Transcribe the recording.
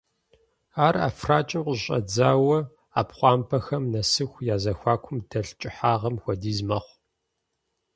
Ар ӀэфракӀэм къыщыщӀэдзауэ Ӏэпхъуамбэпэхэм нэсыху я зэхуакум дэлъ кӀыхьагъым хуэдиз мэхъу.